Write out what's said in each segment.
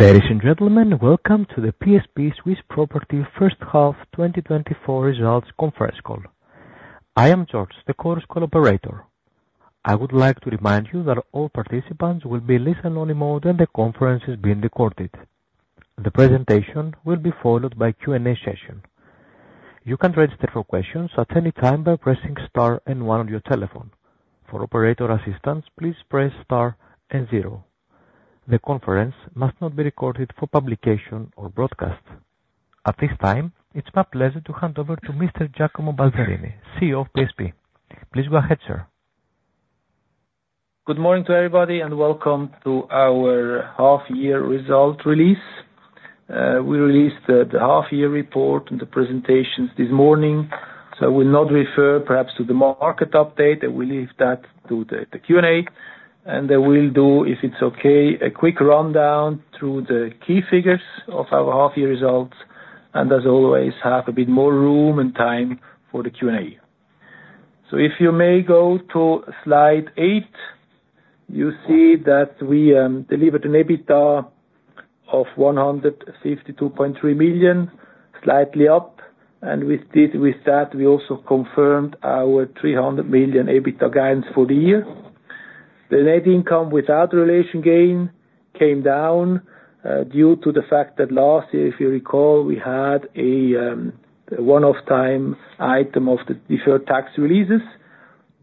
Ladies and gentlemen, Welcome to the PSP Swiss Property First Half 2024 Results Conference Call. I am George, the conference call operator. I would like to remind you that all participants will be in listen-only mode, and the conference is being recorded. The presentation will be followed by Q&A session. You can register for questions at any time by pressing star and one on your telephone. For operator assistance, please press star and zero. The conference must not be recorded for publication or broadcast. At this time, it's my pleasure to hand over to Mr. Giacomo Balzarini, CEO of PSP. Please go ahead, sir. Good morning to everybody, and welcome to our half year result release. We released the half year report and the presentations this morning, so I will not refer perhaps to the market update. I will leave that to the Q&A, and then we'll do, if it's okay, a quick rundown through the key figures of our half year results, and as always, have a bit more room and time for the Q&A. So if you may go to slide eight, you see that we delivered an EBITDA of 152.3 million, slightly up, and with this, with that, we also confirmed our 300 million EBITDA guidance for the year. The net income without revaluation gain came down due to the fact that last year, if you recall, we had a one-off timing item of the deferred tax releases.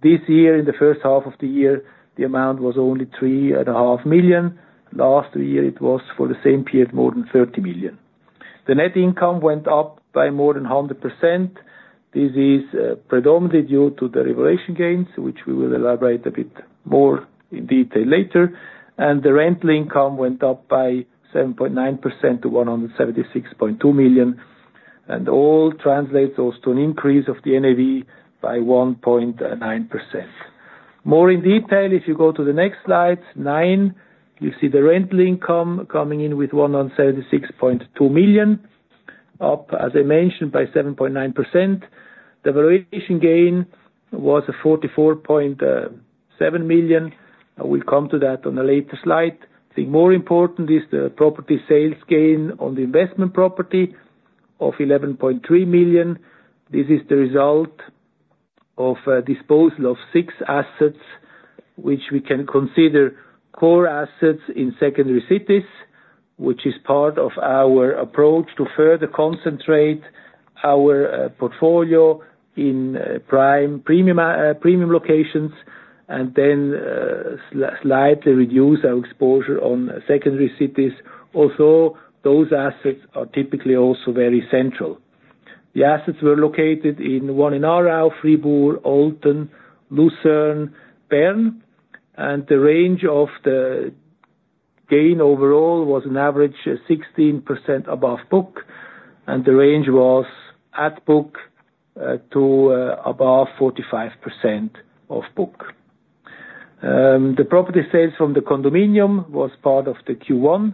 This year, in the first half of the year, the amount was only 3.5 million. Last year, it was for the same period, more than 30 million. The net income went up by more than 100%. This is predominantly due to the revaluation gains, which we will elaborate a bit more in detail later, and the rental income went up by 7.9% to 176.2 million, and all translates also to an increase of the NAV by 1.9%. More in detail, if you go to the next slide 9, you see the rental income coming in with 176.2 million, up, as I mentioned, by 7.9%. The valuation gain was 44.7 million. I will come to that on a later slide. The more important is the property sales gain on the investment property of 11.3 million. This is the result of disposal of six assets, which we can consider core assets in secondary cities, which is part of our approach to further concentrate our portfolio in prime, premium, premium locations, and then slightly reduce our exposure on secondary cities. Also, those assets are typically also very central. The assets were located in one in Aarau, Fribourg, Olten, Lucerne, Bern, and the range of the gain overall was an average 16% above book, and the range was at book to above 45% of book. The property sales from the condominium was part of the Q1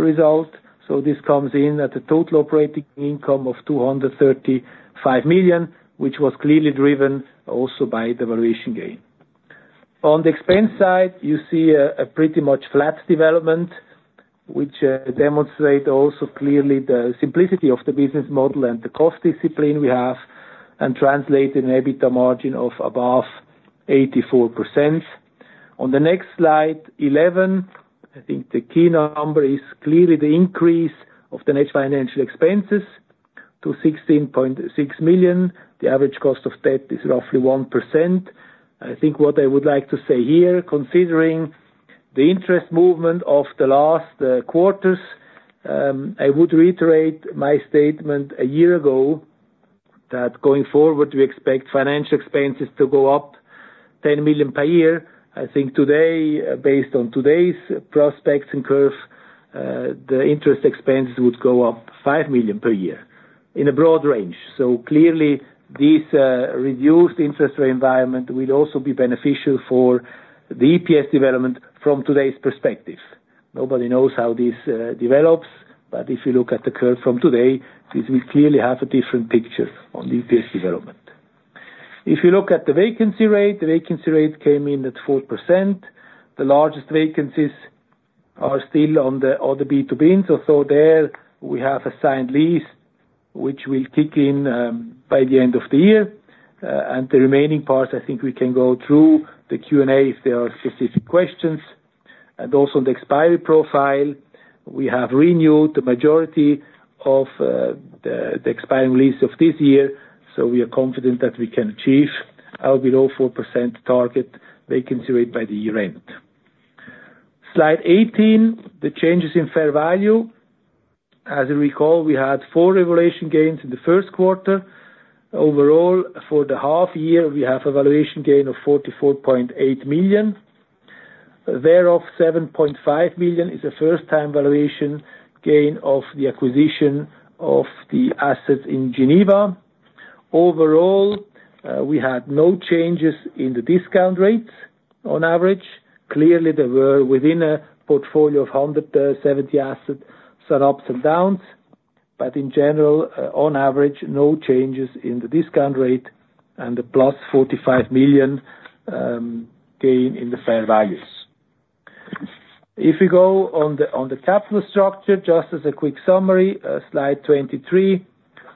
result, so this comes in at a total operating income of 235 million, which was clearly driven also by the valuation gain. On the expense side, you see a pretty much flat development, which demonstrate also clearly the simplicity of the business model and the cost discipline we have, and translate an EBITDA margin of above 84%. On the next slide eleven, I think the key number is clearly the increase of the net financial expenses to 16.6 million. The average cost of debt is roughly 1%. I think what I would like to say here, considering the interest movement of the last quarters, I would reiterate my statement a year ago, that going forward, we expect financial expenses to go up 10 million per year. I think today, based on today's prospects and curve, the interest expenses would go up 5 million per year in a broad range. So clearly, this, reduced interest rate environment will also be beneficial for the EPS development from today's perspective. Nobody knows how this, develops, but if you look at the curve from today, this will clearly have a different picture on the EPS development. If you look at the vacancy rate, the vacancy rate came in at 4%. The largest vacancies are still on the, on the B2B, and so there we have a signed lease, which will kick in, by the end of the year. And the remaining part, I think we can go through the Q&A if there are specific questions. And also the expiry profile, we have renewed the majority of the expiring lease of this year, so we are confident that we can achieve our below 4% target vacancy rate by the year-end. Slide 18, the changes in fair value. As you recall, we had four revaluation gains in the Q1. Overall, for the half year, we have a valuation gain of 44.8 million, thereof, 7.5 million is a first-time valuation gain of the acquisition of the assets in Geneva. Overall, we had no changes in the discount rates on average. Clearly, there were within a portfolio of 170 assets, there are ups and downs, but in general, on average, no changes in the discount rate and the plus 45 million gain in the fair values. If you go on the capital structure, just as a quick summary, slide 23,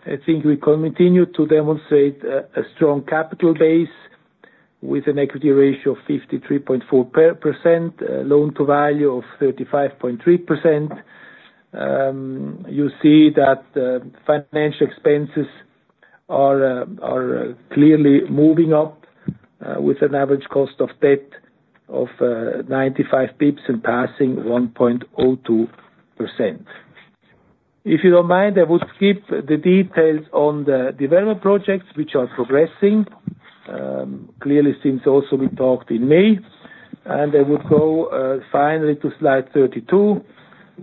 I think we can continue to demonstrate a strong capital base with an equity ratio of 53.4%, loan to value of 35.3%. You see that financial expenses are clearly moving up with an average cost of debt of ninety-five basis points and passing 1.02%. If you don't mind, I would skip the details on the development projects which are progressing clearly, since also we talked in May, and I would go finally to slide 32,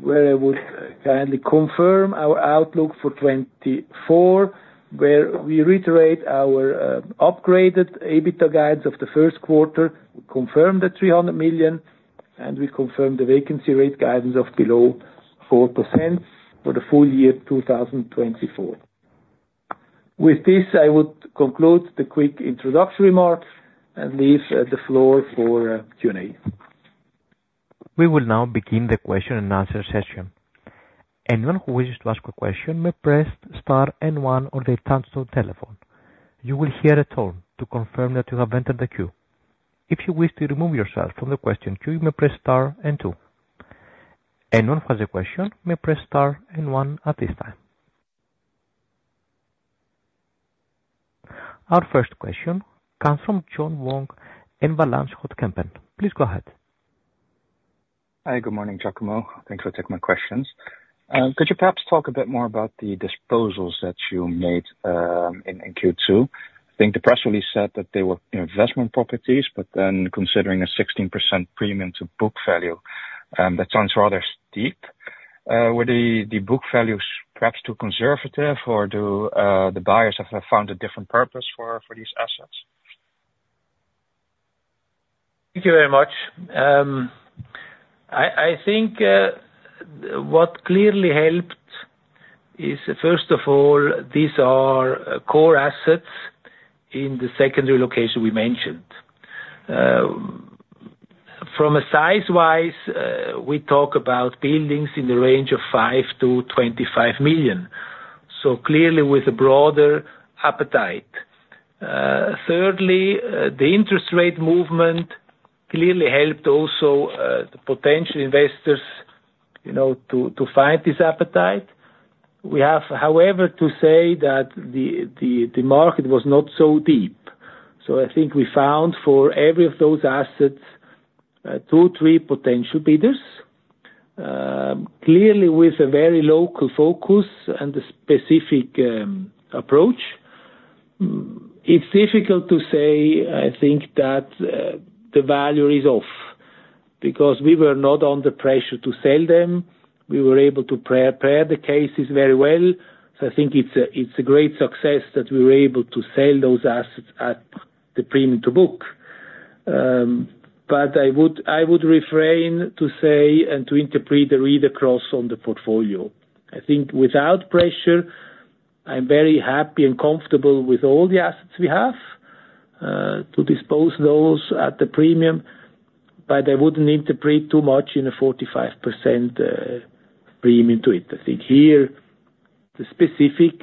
where I would kindly confirm our outlook for 2024, where we reiterate our upgraded EBITDA guidance of the Q1. We confirm the 300 million, and we confirm the vacancy rate guidance of below 4% for the full year 2024. With this, I would conclude the quick introductory remarks and leave the floor for Q&A. We will now begin the question and answer session. Anyone who wishes to ask a question may press star and one on their touchtone telephone. You will hear a tone to confirm that you have entered the queue. If you wish to remove yourself from the question queue, you may press star and two. Anyone who has a question may press star and one at this time. Our first question comes from John Vuong in Van Lanschot Kempen. Please go ahead. Hi. Good morning, Giacomo. Thanks for taking my questions. Could you perhaps talk a bit more about the disposals that you made in Q2? I think the press release said that they were investment properties, but then considering a 16% premium to book value, that sounds rather steep. Were the book values perhaps too conservative, or do the buyers have found a different purpose for these assets? Thank you very much. I think what clearly helped is, first of all, these are core assets in the secondary location we mentioned. From a size-wise, we talk about buildings in the range of 5 million-25 million, so clearly with a broader appetite. Thirdly, the interest rate movement clearly helped also, the potential investors, you know, to find this appetite. We have, however, to say that the market was not so deep. So I think we found for every of those assets, two, three potential bidders, clearly with a very local focus and a specific approach. It's difficult to say, I think that the value is off, because we were not under pressure to sell them. We were able to prepare the cases very well. I think it's a great success that we were able to sell those assets at the premium to book. But I would refrain to say and to interpret a read across on the portfolio. I think without pressure, I'm very happy and comfortable with all the assets we have to dispose those at a premium, but I wouldn't interpret too much in a 45% premium to it. I think here, the specific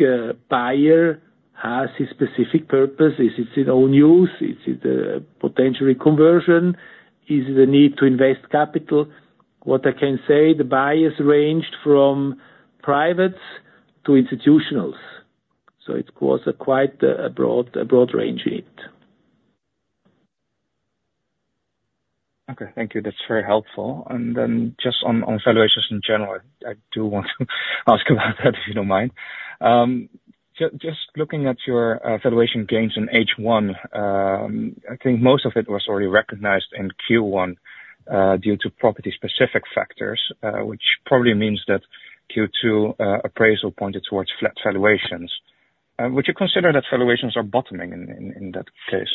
buyer has a specific purpose. Is it his own use? Is it a potential reconversion? Is it the need to invest capital? What I can say, the buyers ranged from privates to institutionals, so it was quite a broad range in it. Okay. Thank you. That's very helpful. And then just on valuations in general, I do want to ask about that, if you don't mind. Just looking at your valuation gains in H1, I think most of it was already recognized in Q1 due to property specific factors, which probably means that Q2 appraisal pointed towards flat valuations. Would you consider that valuations are bottoming in that case?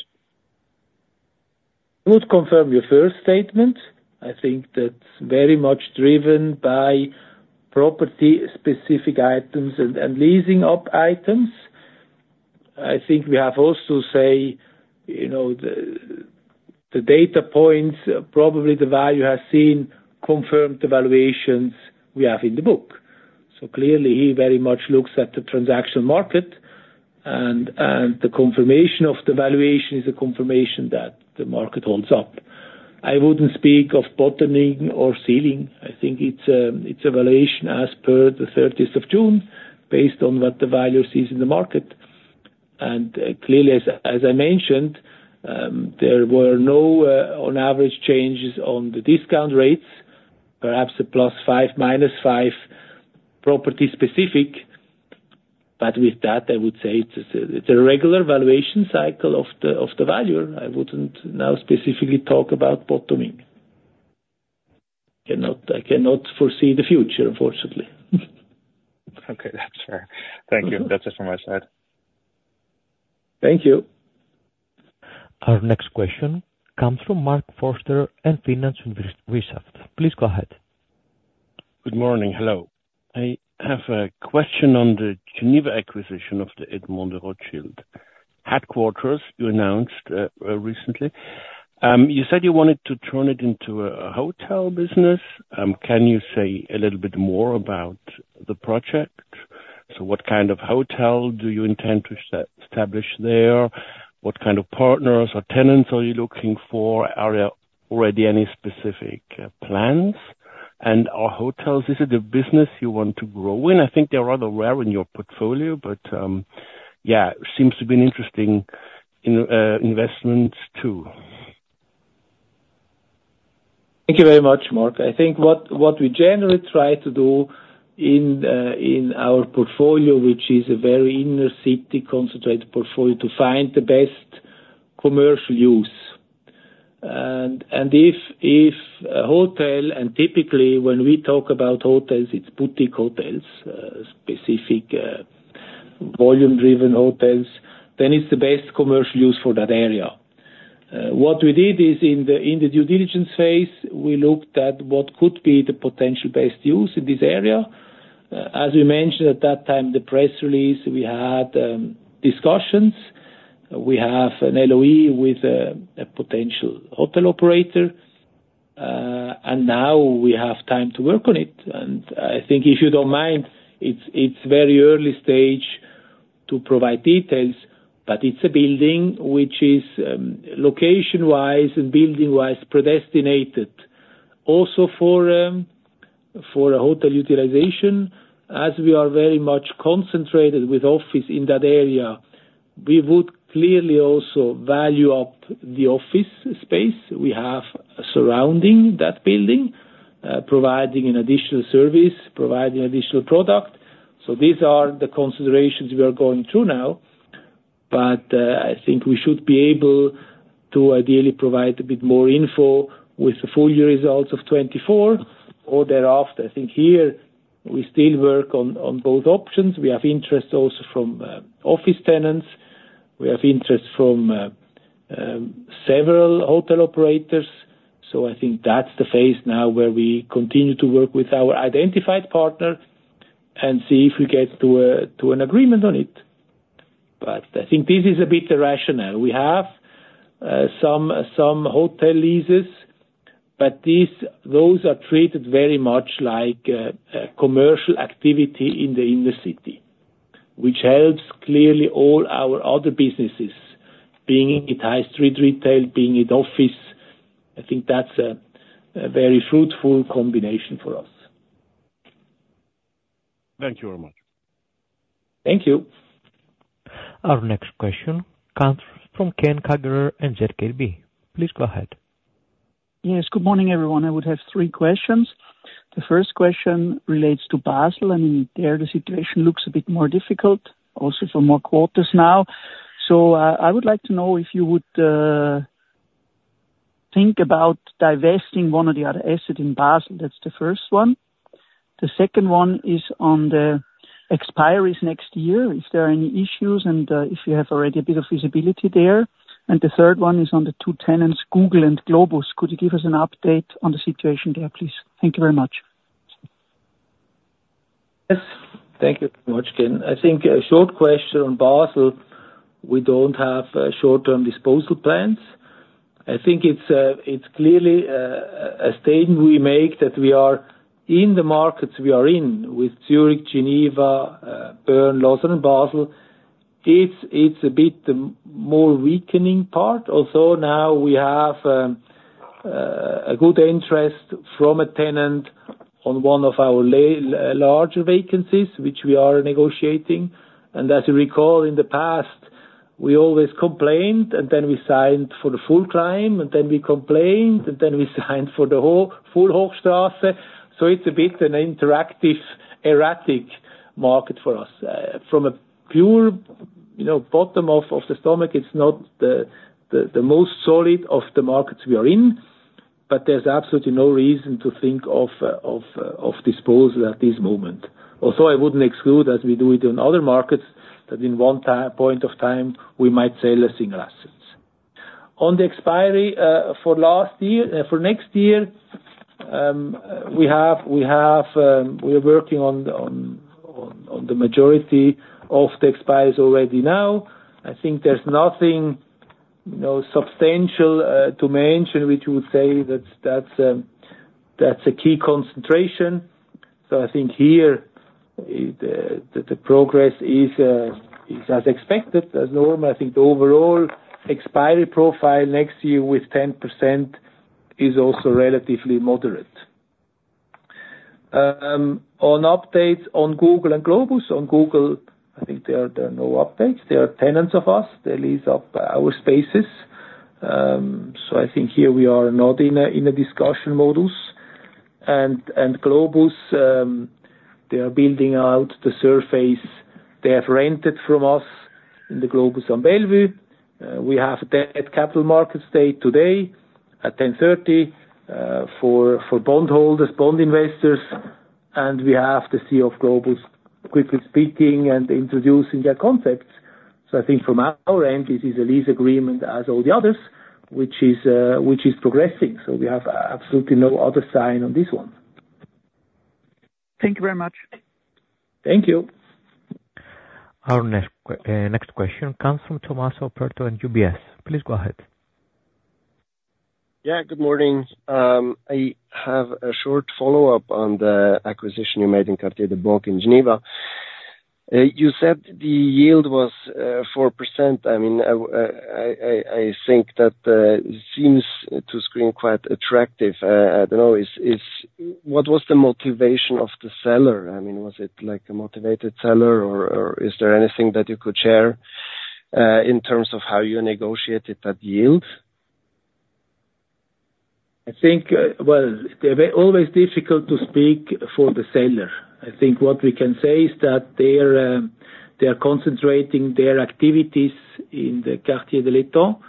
I would confirm your first statement. I think that's very much driven by property specific items and leasing up items. I think we have also say, you know, the data points, probably the value has seen confirmed the valuations we have in the book. So clearly, he very much looks at the transaction market, and the confirmation of the valuation is a confirmation that the market holds up. I wouldn't speak of bottoming or ceiling. I think it's a valuation as per the thirtieth of June, based on what the valuer sees in the market, and clearly, as I mentioned, there were no, on average, changes on the discount rates, perhaps a plus five, minus five, property specific, but with that, I would say it's a regular valuation cycle of the valuer. I wouldn't now specifically talk about bottoming. I cannot foresee the future, unfortunately. Okay, that's fair. Thank you. That's it from my side. Thank you. Our next question comes from Marc Forster and Finanz und Wirtschaft. Please go ahead. Good morning. Hello. I have a question on the Geneva acquisition of the Edmond de Rothschild headquarters you announced recently. You said you wanted to turn it into a hotel business. Can you say a little bit more about the project, so what kind of hotel do you intend to establish there? What kind of partners or tenants are you looking for? Are there already any specific plans, and are hotels a business you want to grow in? I think they are rather rare in your portfolio, but yeah, seems to be an interesting investment too. Thank you very much, Mark. I think what we generally try to do in our portfolio, which is a very inner city concentrated portfolio, to find the best commercial use, and if a hotel, and typically when we talk about hotels, it's boutique hotels, specific, volume-driven hotels, then it's the best commercial use for that area. What we did is in the due diligence phase, we looked at what could be the potential best use in this area. As we mentioned at that time, the press release, we had discussions. We have an LOE with a potential hotel operator, and now we have time to work on it. And I think if you don't mind, it's very early stage to provide details, but it's a building which is location-wise and building-wise predestinated also for a hotel utilization. As we are very much concentrated with office in that area, we would clearly also value up the office space we have surrounding that building, providing an additional service, providing additional product. So these are the considerations we are going through now, but I think we should be able to ideally provide a bit more info with the full year results of 2024 or thereafter. I think here we still work on both options. We have interest also from office tenants. We have interest from several hotel operators. So I think that's the phase now where we continue to work with our identified partner and see if we get to an agreement on it. But I think this is a bit irrational. We have some hotel leases, but these, those are treated very much like a commercial activity in the inner city, which helps clearly all our other businesses, being it high street retail, being it office. I think that's a very fruitful combination for us. Thank you very much. Thank you. Our next question comes from Ken Kagerer and ZKB. Please go ahead. Yes, good morning, everyone. I would have three questions. The first question relates to Basel, and there, the situation looks a bit more difficult, also for more quarters now. So, I would like to know if you would think about divesting one or the other asset in Basel. That's the first one. The second one is on the expiries next year, if there are any issues, and if you have already a bit of visibility there. And the third one is on the two tenants, Google and Globus. Could you give us an update on the situation there, please? Thank you very much. Yes, thank you very much, Ken. I think a short question on Basel, we don't have short-term disposal plans. I think it's clearly a statement we make that we are in the markets we are in with Zurich, Geneva, Bern, Lausanne, and Basel. It's a bit more weakening part. Also, now we have a good interest from a tenant on one of our larger vacancies, which we are negotiating. And as you recall, in the past, we always complained, and then we signed for the full Clime, and then we complained, and then we signed for the whole Hochstrasse. So it's a bit an interactive, erratic market for us. From a pure, you know, bottom of the stomach, it's not the most solid of the markets we are in, but there's absolutely no reason to think of disposal at this moment. Also, I wouldn't exclude, as we do it in other markets, that in one point of time, we might sell a single assets. On the expiry for last year for next year, we're working on the majority of the expires already now. I think there's nothing, you know, substantial to mention, which would say that's a key concentration. So I think here, the progress is as expected, as normal. I think the overall expiry profile next year with 10% is also relatively moderate. On updates on Google and Globus, on Google, I think there are no updates. They are tenants of us. They lease up our spaces. So I think here we are not in a discussion mode. Globus, they are building out the surface they have rented from us in the Globus on Bellevue. We have their capital markets day today at 10:30 A.M. for bondholders, bond investors, and we have the CEO of Globus quickly speaking and introducing their context. So I think from our end, this is a lease agreement as all the others, which is progressing. So we have absolutely no other sign on this one. Thank you very much. Thank you. Our next question comes from Tommaso Operto in UBS. Please go ahead. Yeah, good morning. I have a short follow-up on the acquisition you made in Quartier des Banques in Geneva. You said the yield was 4%. I mean, I think that it seems to screen quite attractive. I don't know, what was the motivation of the seller? I mean, was it like a motivated seller, or is there anything that you could share in terms of how you negotiated that yield? I think, well, they're very always difficult to speak for the seller. I think what we can say is that they are concentrating their activities in the Quartier de l'Étang.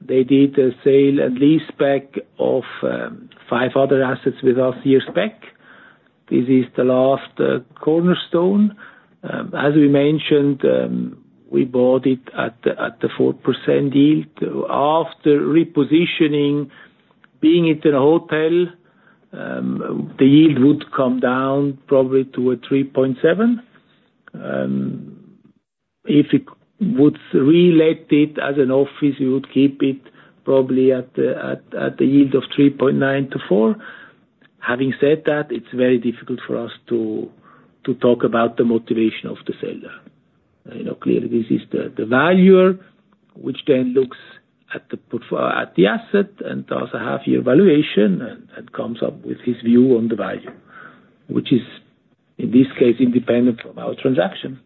They did a sale-and-leaseback of five other assets with us a year back. This is the last cornerstone. As we mentioned, we bought it at the 4% yield. After repositioning, being it in a hotel, the yield would come down probably to a 3.7%. If it would relet it as an office, we would keep it probably at the yield of 3.9%-4%. Having said that, it's very difficult for us to talk about the motivation of the seller. You know, clearly this is the valuer, which then looks at the portfolio at the asset and does a half year valuation and comes up with his view on the value, which is, in this case, independent from our transaction.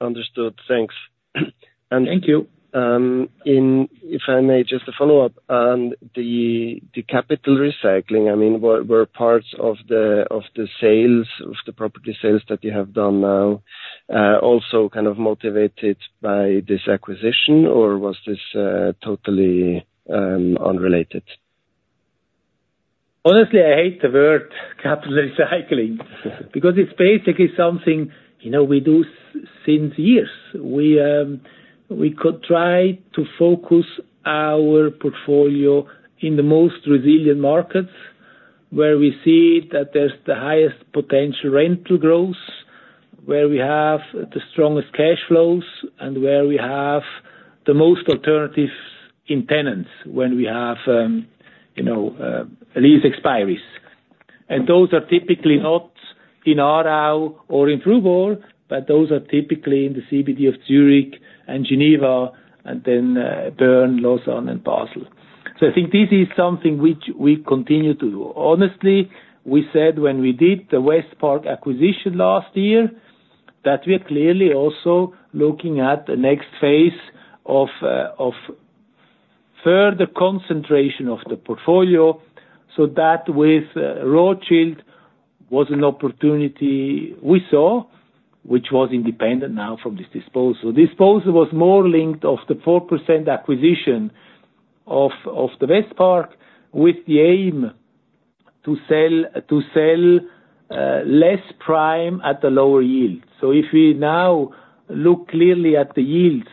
Understood. Thanks. Thank you. If I may just a follow-up on the capital recycling, I mean, were parts of the sales of the property sales that you have done now also kind of motivated by this acquisition? Or was this totally unrelated? Honestly, I hate the word capital recycling, because it's basically something, you know, we do since years. We could try to focus our portfolio in the most resilient markets, where we see that there's the highest potential rental growth, where we have the strongest cash flows, and where we have the most alternatives in tenants when we have, you know, lease expirations. And those are typically not in Aarau or in Fribourg, but those are typically in the CBD of Zurich and Geneva and then Bern, Lausanne and Basel. So I think this is something which we continue to do. Honestly, we said when we did the Westpark acquisition last year, that we are clearly also looking at the next phase of further concentration of the portfolio, so that with Rothschild was an opportunity we saw, which was independent now from this disposal. Disposal was more linked to the 4% acquisition of the Westpark, with the aim to sell less prime at a lower yield. If we now look clearly at the yields,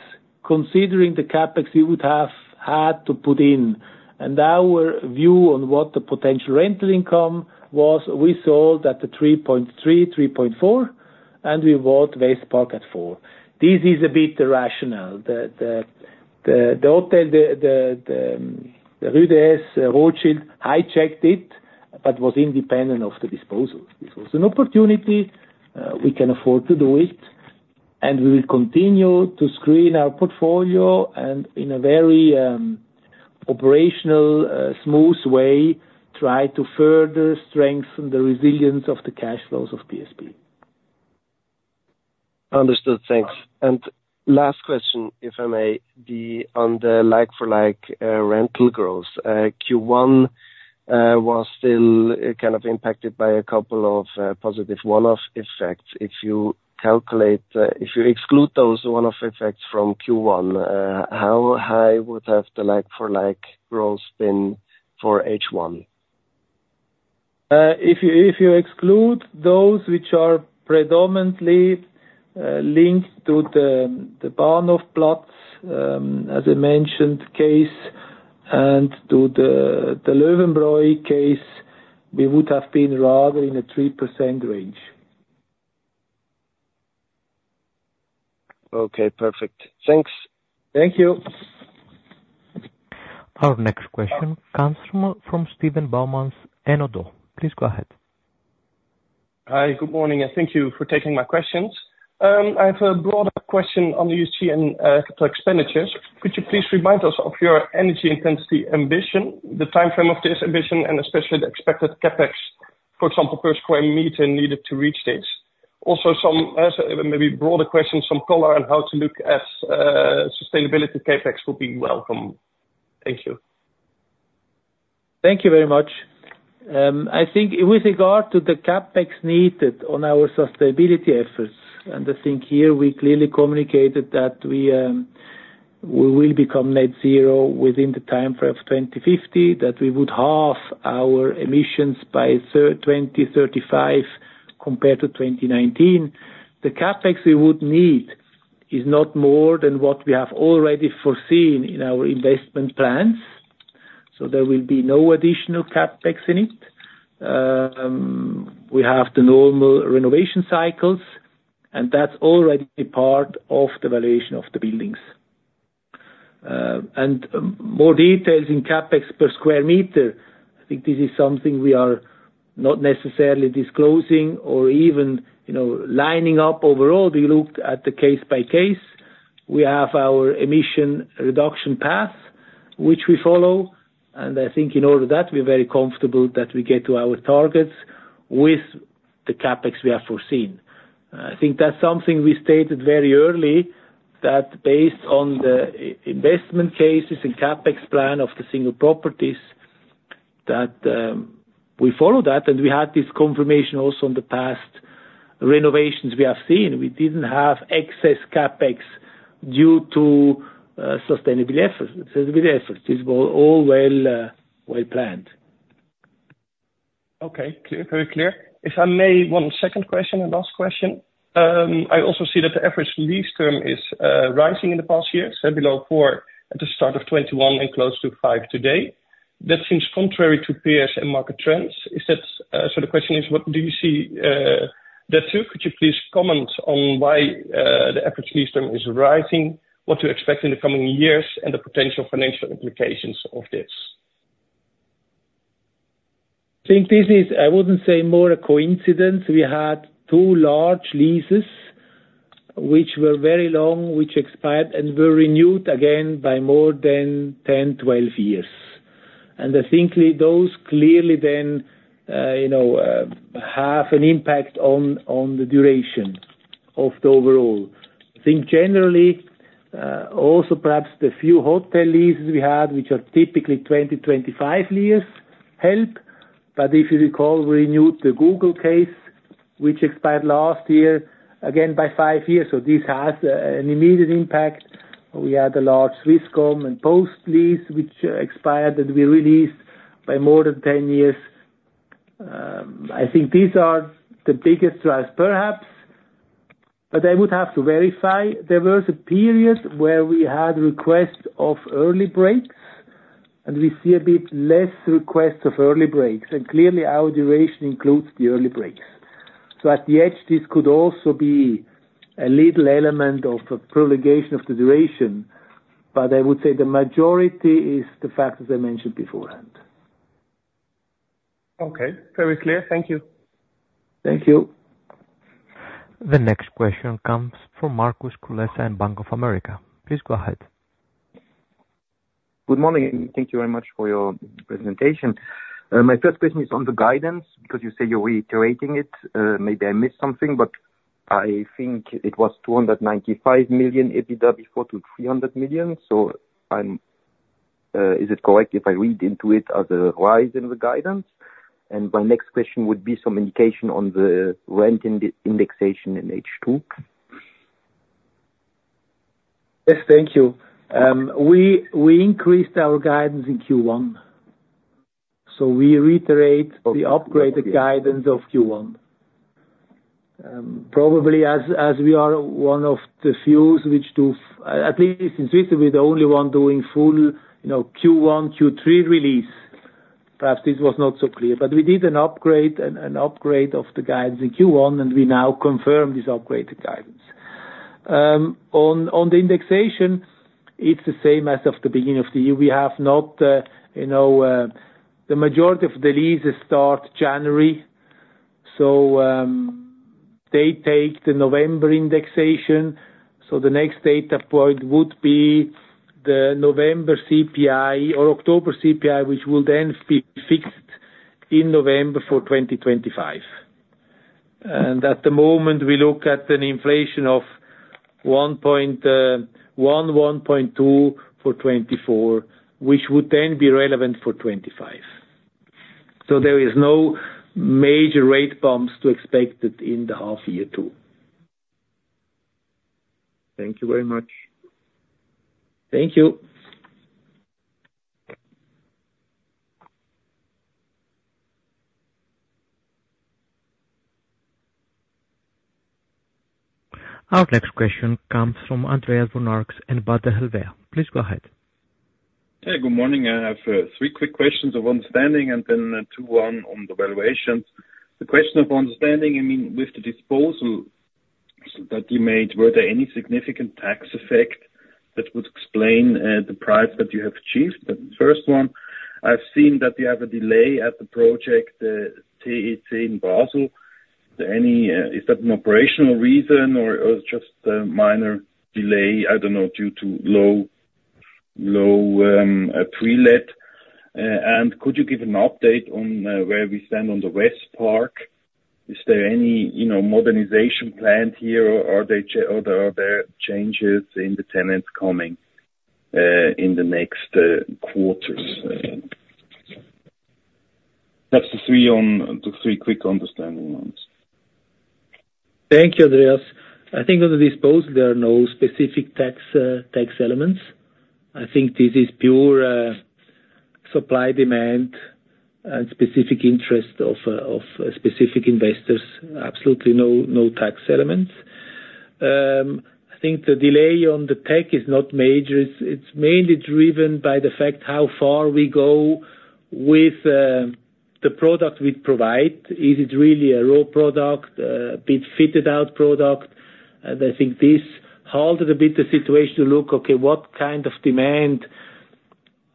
considering the CapEx you would have had to put in, and our view on what the potential rental income was, we sold at the 3.3, 3.4, and we bought Westpark at 4. This is a bit irrational. The hotel, the Rue de Rothschild, I checked it, but was independent of the disposals. This was an opportunity, we can afford to do it, and we will continue to screen our portfolio and in a very operational, smooth way, try to further strengthen the resilience of the cash flows of PSP. Understood. Thanks. And last question, if I may, the one on the like-for-like rental growth. Q1 was still kind of impacted by a couple of positive one-off effects. If you calculate, if you exclude those one-off effects from Q1, how high would the like-for-like growth have been for H1? If you exclude those, which are predominantly linked to the Bahnhofplatz, as I mentioned case, and to the Löwenbräu case, we would have been rather in a 3% range. Okay, perfect. Thanks. Thank you. Our next question comes from Steven Boumans, ABN AMRO. Please go ahead. Hi, good morning, and thank you for taking my questions. I have a broader question on the UCN capital expenditures. Could you please remind us of your energy intensity ambition, the timeframe of this ambition, and especially the expected CapEx, for example, per square meter, needed to reach this? Also some maybe broader questions, some color, on how to look at sustainability CapEx would be welcome. Thank you. Thank you very much. I think with regard to the CapEx needed on our sustainability efforts, and I think here we clearly communicated that we will become Net Zero within the time frame of 2050, that we would halve our emissions by 2035 compared to 2019. The CapEx we would need is not more than what we have already foreseen in our investment plans, so there will be no additional CapEx in it. We have the normal renovation cycles, and that's already part of the valuation of the buildings, and more details in CapEx per square meter. I think this is something we are not necessarily disclosing or even, you know, lining up overall. We looked at the case by case. We have our emission reduction path, which we follow, and I think in order that we're very comfortable that we get to our targets with the CapEx we have foreseen. I think that's something we stated very early, that based on the investment cases and CapEx plan of the single properties, that we follow that, and we had this confirmation also in the past renovations we have seen. We didn't have excess CapEx due to sustainability efforts. Sustainability efforts is go all well, well planned. Okay, clear. Very clear. If I may, one second question and last question. I also see that the average lease term is rising in the past years, say below four at the start of 2021 and close to five today. That seems contrary to peers and market trends. Is that... So the question is: What do you see that too? Could you please comment on why the average lease term is rising, what you expect in the coming years, and the potential financial implications of this? I think this is, I wouldn't say, more a coincidence. We had two large leases which were very long, which expired and were renewed again by more than 10-12 years, and I think those clearly then, you know, have an impact on the duration of the overall. I think generally, also perhaps the few hotel leases we had, which are typically 20-25 years, help, but if you recall, we renewed the Google case, which expired last year, again by 5 years, so this has an immediate impact. We had a large Swisscom and Post lease, which expired, and we released by more than 10 years. I think these are the biggest drives, perhaps, but I would have to verify. There were some periods where we had requests of early breaks, and we see a bit less requests of early breaks, and clearly our duration includes the early breaks, so at the edge, this could also be a little element of a prolongation of the duration, but I would say the majority is the fact, as I mentioned beforehand. Okay. Very clear. Thank you. Thank you. The next question comes from Markus Kulessa in Bank of America. Please go ahead. Good morning, and thank you very much for your presentation. My first question is on the guidance, because you say you're reiterating it. Maybe I missed something, but I think it was 295 million, EBITDA before, to 300 million. So I'm, is it correct if I read into it as a rise in the guidance? And my next question would be some indication on the rent indexation in H2. Yes, thank you. We increased our guidance in Q1, so we reiterate the upgraded guidance of Q1. Probably as we are one of the few, which to, at least in Switzerland, we're the only one doing full, you know, Q1, Q3 release. Perhaps this was not so clear, but we did an upgrade, an upgrade of the guidance in Q1, and we now confirm this upgraded guidance. On the indexation, it's the same as of the beginning of the year. We have not, you know... The majority of the leases start January, so they take the November indexation, so the next data point would be the November CPI or October CPI, which will then be fixed in November for 2025. At the moment, we look at an inflation of 1.2% for 2024, which would then be relevant for 2025. There is no major rate bumps to expect in H2. Thank you very much. Thank you. Our next question comes from Andreas von Arx and Baader Helvea. Please go ahead. Hey, good morning. I have three quick questions of understanding and then two, one on the valuations. The question of understanding, I mean, with the disposal that you made, were there any significant tax effect that would explain the price that you have achieved? But first one, I've seen that you have a delay at the project Climb in Basel. Any, is that an operational reason or just a minor delay, I don't know, due to low pre-let? And could you give an update on where we stand on the Westpark? Is there any, you know, modernization planned here, or are there changes in the tenants coming in the next quarters? That's the three quick understanding ones. Thank you, Andreas. I think on the dispose, there are no specific tax elements. I think this is pure supply, demand, and specific interest of specific investors. Absolutely, no tax elements. I think the delay on the tech is not major. It's mainly driven by the fact how far we go with the product we provide. Is it really a raw product, a bit fitted out product? And I think this halted a bit the situation to look, okay, what kind of demand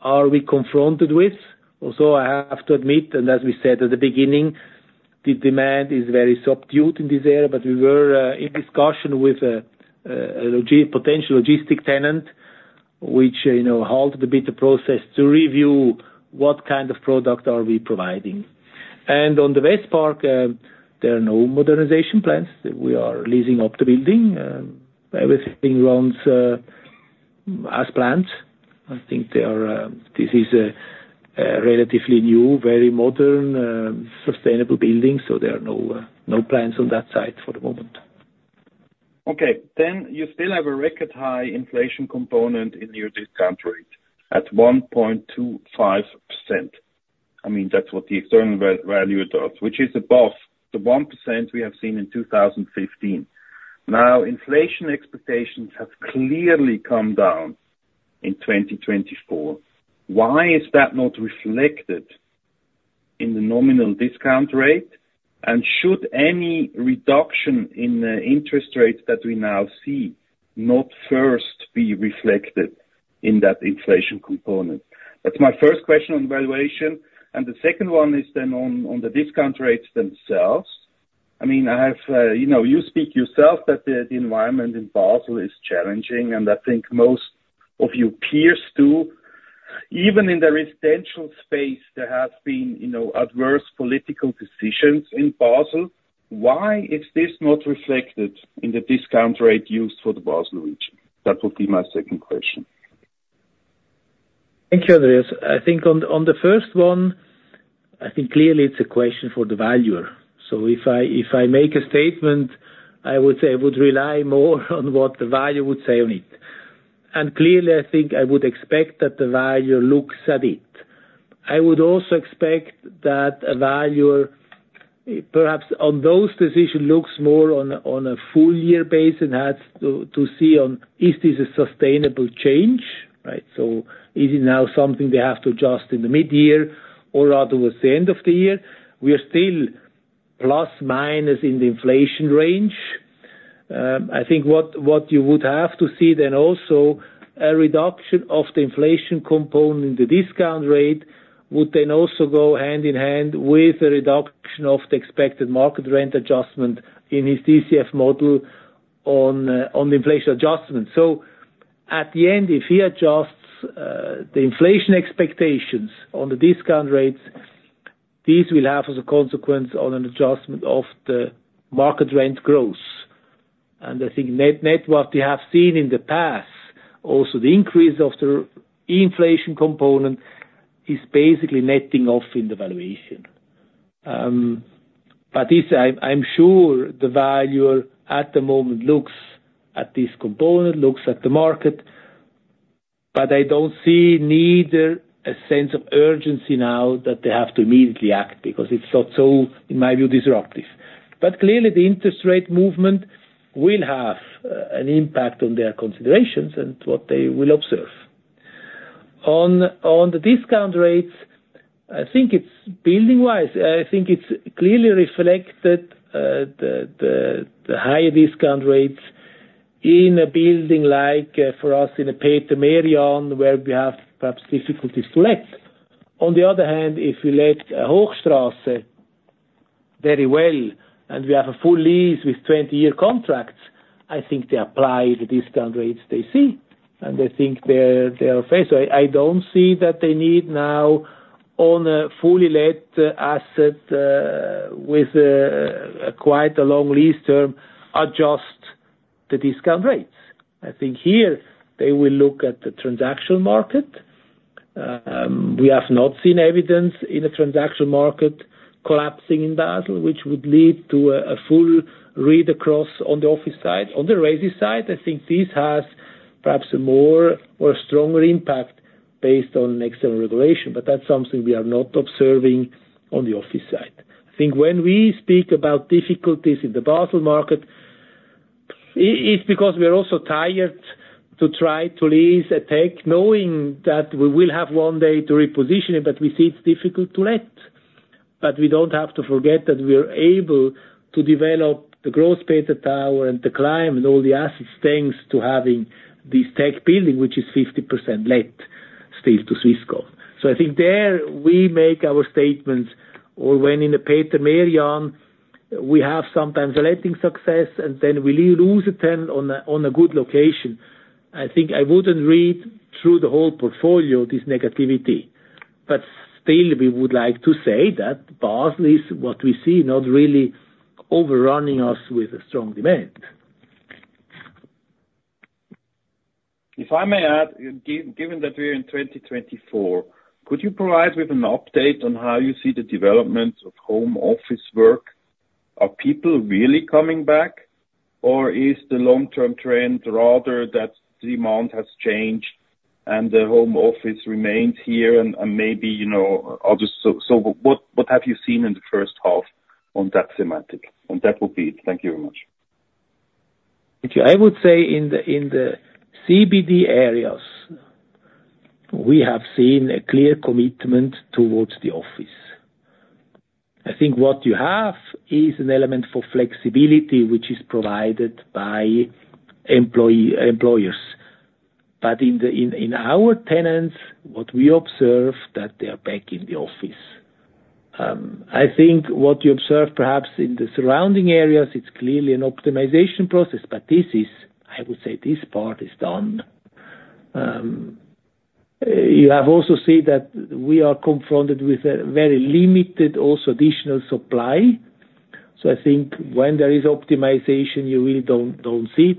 are we confronted with? Also, I have to admit, and as we said at the beginning, the demand is very subdued in this area, but we were in discussion with a potential logistic tenant, which, you know, halted a bit the process to review what kind of product are we providing. And on the Westpark, there are no modernization plans. We are leasing up the building, everything runs as planned. I think this is a relatively new, very modern, sustainable building, so there are no plans on that side for the moment. Okay. Then you still have a record high inflation component in your discount rate at 1.25%. I mean, that's what the external value does, which is above the 1% we have seen in 2015. Now, inflation expectations have clearly come down in 2024. Why is that not reflected in the nominal discount rate? And should any reduction in the interest rate that we now see, not first be reflected in that inflation component? That's my first question on valuation, and the second one is then on the discount rates themselves. I mean, I have, you know, you speak yourself that the environment in Basel is challenging, and I think most of your peers, too. Even in the residential space, there has been, you know, adverse political decisions in Basel. Why is this not reflected in the discount rate used for the Basel region? That would be my second question. Thank you, Andreas. I think on the first one, I think clearly it's a question for the valuer. So if I make a statement, I would say I would rely more on what the valuer would say on it. And clearly, I think I would expect that the valuer looks at it. I would also expect that a valuer, perhaps on those decisions, looks more on a full year basis, and has to see on is this a sustainable change, right? So is it now something they have to adjust in the mid-year or rather with the end of the year? We are still plus, minus in the inflation range. I think what you would have to see then also a reduction of the inflation component, the discount rate, would then also go hand in hand with the reduction of the expected market rent adjustment in his DCF model on the inflation adjustment. So at the end, if he adjusts the inflation expectations on the discount rates, this will have as a consequence on an adjustment of the market rent growth. And I think net, what we have seen in the past, also the increase of the inflation component, is basically netting off in the valuation. But this, I'm sure the valuer at the moment looks at this component, looks at the market, but I don't see neither a sense of urgency now that they have to immediately act, because it's not so, in my view, disruptive. But clearly, the interest rate movement will have an impact on their considerations and what they will observe. On the discount rates, I think it's building-wise, I think it's clearly reflected the higher discount rates in a building like for us, in a Peter Merian, where we have perhaps difficulties to let. On the other hand, if we let Hochstrasse very well, and we have a full lease with twenty-year contracts, I think they apply the discount rates they see, and I think they're fair. So I don't see that they need now on a fully let asset with quite a long lease term, adjust the discount rates. I think here they will look at the transaction market. We have not seen evidence in the transaction market collapsing in Basel, which would lead to a full read across on the office side. On the resi side, I think this has perhaps a more or stronger impact based on external regulation, but that's something we are not observing on the office side. I think when we speak about difficulties in the Basel market, it's because we're also tied to try to lease a tech, knowing that we will have one day to reposition it, but we see it's difficult to let. We don't have to forget that we are able to develop the Grosspeter Tower and the Clime and all the assets, thanks to having this tech building, which is 50% let still to Swisscom. So I think there we make our statements or when in the Peter Merian, we have sometimes a letting success, and then we lose a tenant on a good location. I think I wouldn't read through the whole portfolio, this negativity, but still we would like to say that Basel is what we see, not really overrunning us with a strong demand. If I may add, given that we're in 2024, could you provide with an update on how you see the development of home office work? Are people really coming back, or is the long-term trend rather that demand has changed and the home office remains here and maybe, you know. So, what have you seen in the first half on that segment? And that will be it. Thank you very much. Thank you. I would say in the CBD areas, we have seen a clear commitment towards the office. I think what you have is an element for flexibility, which is provided by employee, employers. But in our tenants, what we observe, that they are back in the office. I think what you observe, perhaps in the surrounding areas, it's clearly an optimization process, but this is I would say this part is done. You have also seen that we are confronted with a very limited, also additional supply. So I think when there is optimization, you really don't see it.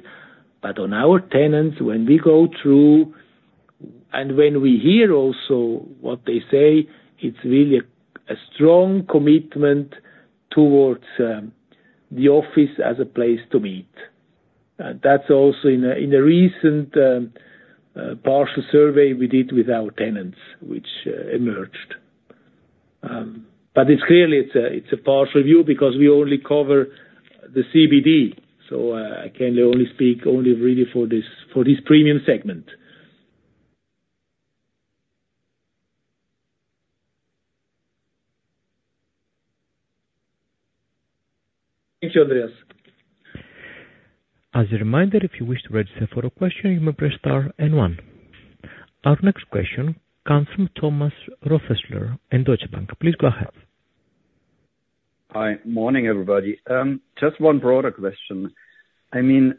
But on our tenants, when we go through and when we hear also what they say, it's really a strong commitment towards the office as a place to meet. And that's also in a recent partial survey we did with our tenants, which emerged. But it's clearly a partial view because we only cover the CBD, so I can only speak really for this premium segment. Thank you, Andreas. As a reminder, if you wish to register for a question, you may press star and one. Our next question comes from Thomas Rothäusler in Deutsche Bank. Please go ahead. Hi. Morning, everybody. Just one broader question. I mean,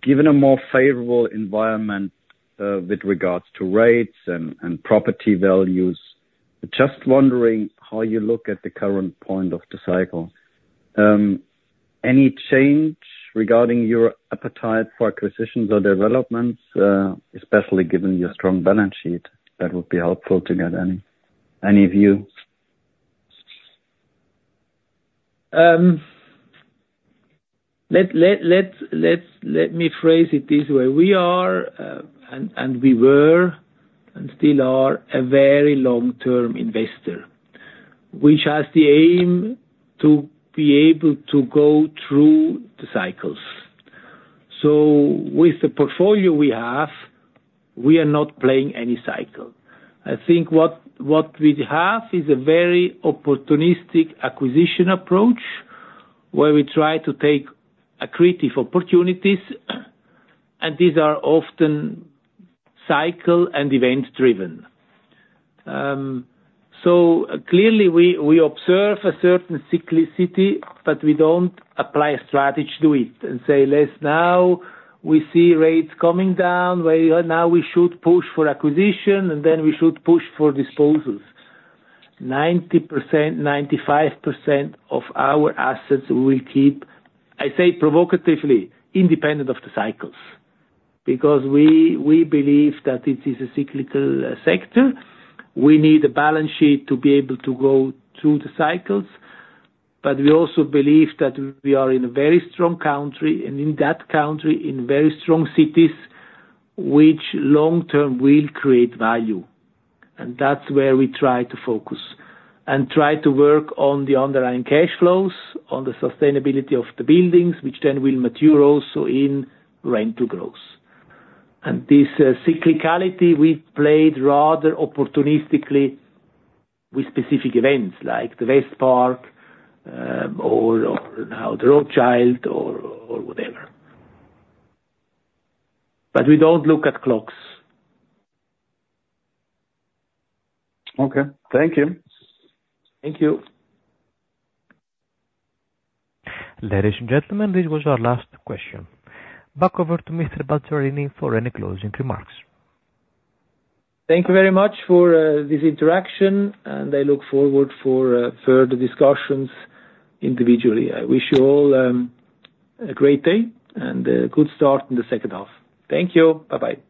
given a more favorable environment, with regards to rates and property values, just wondering how you look at the current point of the cycle. Any change regarding your appetite for acquisitions or developments, especially given your strong balance sheet, that would be helpful to get any view? Let me phrase it this way. We are and we were and still are a very long-term investor, which has the aim to be able to go through the cycles. So with the portfolio we have, we are not playing any cycle. I think what we have is a very opportunistic acquisition approach, where we try to take accretive opportunities, and these are often cycle and event driven. So clearly we observe a certain cyclicity, but we don't apply a strategy to it and say, "Let's now we see rates coming down, where now we should push for acquisition, and then we should push for disposals." 90%, 95% of our assets, we will keep, I say provocatively, independent of the cycles. Because we believe that this is a cyclical sector. We need a balance sheet to be able to go through the cycles, but we also believe that we are in a very strong country, and in that country, in very strong cities, which long term will create value. And that's where we try to focus, and try to work on the underlying cash flows, on the sustainability of the buildings, which then will mature also in rental growth. And this cyclicality we played rather opportunistically with specific events like the Westpark, or now the Rothschild or whatever. But we don't look at clocks. Okay, thank you. Thank you. Ladies and gentlemen, this was our last question. Back over to Mr. Balzarini for any closing remarks. Thank you very much for this interaction, and I look forward for further discussions individually. I wish you all a great day and a good start in the second half. Thank you. Bye-bye.